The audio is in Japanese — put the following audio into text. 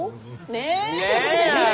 ねえ！